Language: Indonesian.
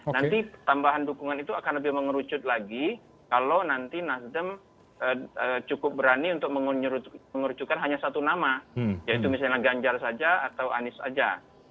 nanti tambahan dukungan itu akan lebih mengerucut lagi kalau nanti nasdem cukup berani untuk mengerucukan hanya satu nama yaitu misalnya ganjar saja atau anies saja